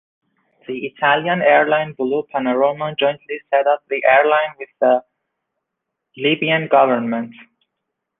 The Italian airline Blue Panorama jointly set up the airline with the Libyan government.